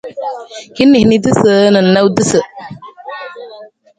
Hin niisaniisatu na noosutu.